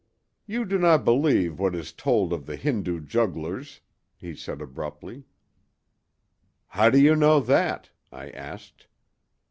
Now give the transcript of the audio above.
"You do not believe what is told of the Hindu jugglers," he said abruptly. "How do you know that?" I asked.